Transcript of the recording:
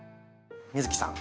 美月さん